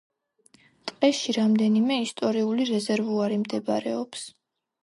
ტყეში რამდენიმე ისტორიული რეზერვუარი მდებარეობს.